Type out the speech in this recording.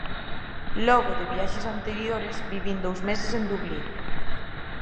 Logo de viaxes anteriores, vivín dous meses en Dublín.